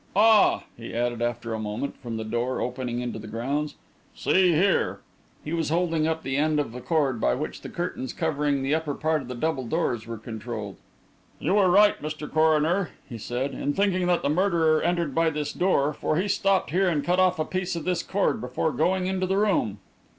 "Ah!" he added, after a moment, from the door opening into the grounds. "See here!" He was holding up the end of the cord by which the curtains covering the upper part of the double doors were controlled. "You were right, Mr. Coroner," he said, "in thinking that the murderer entered by this door, for he stopped here and cut off a piece of this cord before going on into the room."